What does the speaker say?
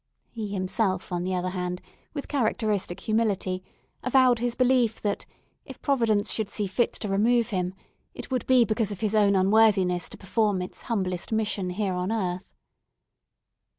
He himself, on the other hand, with characteristic humility, avowed his belief that if Providence should see fit to remove him, it would be because of his own unworthiness to perform its humblest mission here on earth.